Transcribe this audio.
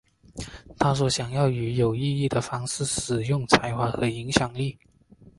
她说想要以有意义的方式使用才华和影响力。